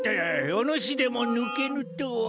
お主でもぬけぬとは。